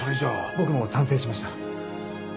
僕も賛成しました。